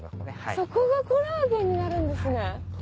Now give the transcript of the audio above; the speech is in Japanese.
そこがコラーゲンになるんですね。